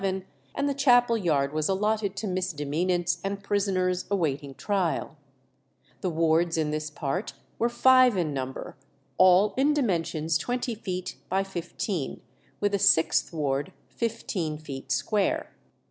This arrangement was, however, modified after 1811, and the chapel yard was allotted to misdemeanants and prisoners awaiting trial. The wards in this part were five in number, all in dimensions twenty feet by fifteen, with a sixth ward fifteen feet square.